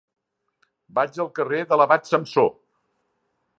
Vaig al carrer de l'Abat Samsó.